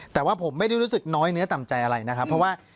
แต่ว่าผมไม่ได้รู้สึกน้อยเนื้อต่ำใจอะไรนะครับเพราะว่า